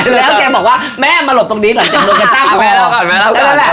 แล้วแกบอกว่าแม่มาหลบตรงนี้เหรอเจ๊โดนกระชากแม่เรา